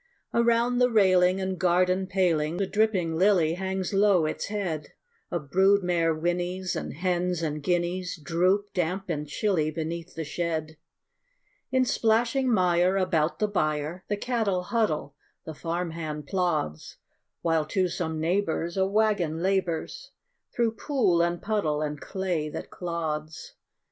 Around the railing and garden paling The dripping lily hangs low its head: A brood mare whinnies; and hens and guineas Droop, damp and chilly, beneath the shed. In splashing mire about the byre The cattle huddle, the farm hand plods; While to some neighbor's a wagon labors Through pool and puddle and clay that clods.